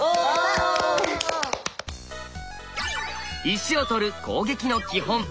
石を取る攻撃の基本